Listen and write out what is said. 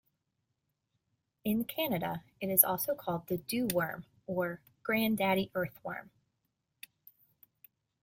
In Canada, it is also called the dew worm, or "Grandaddy Earthworm".